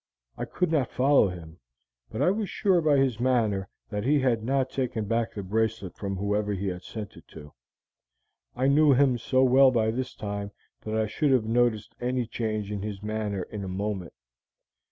I could not follow him, but I was sure by his manner that he had not taken back the bracelet from whoever he had sent it to. I knew him so well by this time that I should have noticed any change in his manner in a moment.